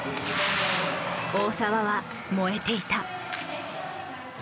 大澤は燃えていた。